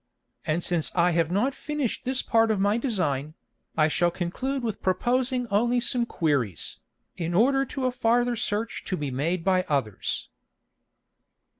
And since I have not finish'd this part of my Design, I shall conclude with proposing only some Queries, in order to a farther search to be made by others.